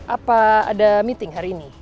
apa ada meeting hari ini